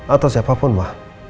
atau siapapun ma